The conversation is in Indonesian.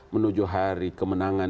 menuju hari kemenangan